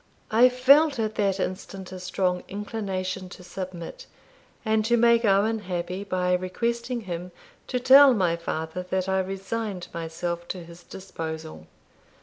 I felt at that instant a strong inclination to submit, and to make Owen happy by requesting him to tell my father that I resigned myself to his disposal.